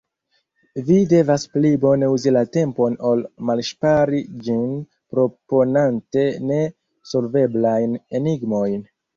Vi devas pli bone uzi la tempon ol malŝpari ĝin proponante ne solveblajn enigmojn.